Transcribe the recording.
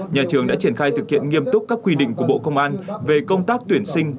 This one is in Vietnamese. nhà trường đã triển khai thực hiện nghiêm túc các quy định của bộ công an về công tác tuyển sinh